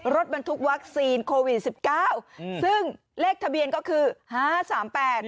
รถบรรทุกวัคซีนโควิดสิบเก้าอืมซึ่งเลขทะเบียนก็คือห้าสามแปด